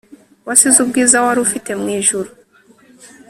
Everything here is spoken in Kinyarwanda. wasize ubwiza warufite mwijurru